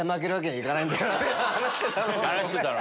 話してたの。